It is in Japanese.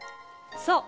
そう。